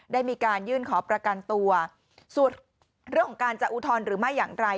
ได้มีการยื่นขอประกันตัวส่วนเรื่องของการจะอุทธรณ์หรือไม่อย่างไร